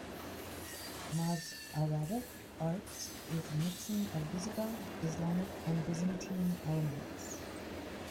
Mozarabic art is a mixing of Visigoth, Islamic, and Byzantine elements.